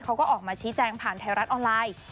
เขาก็ออกมาชี้แจงผ่านไทยรัฐออนไลน์